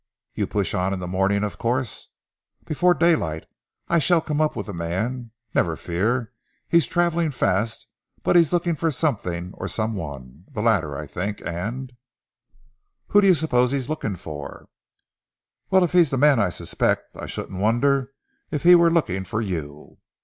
"You'll push on in the morning, of course." "Before daylight! And I shall come up with the man, never fear. He's travelling fast, but he's looking for some thing or some one, the latter, I think, and " "Who do you suppose he's looking for?" "Well, if he's the man I suspect, I shouldn't wonder if he were looking for you."